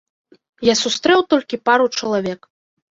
Я сустрэў толькі пару чалавек.